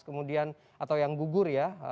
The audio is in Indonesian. kemudian atau yang gugur ya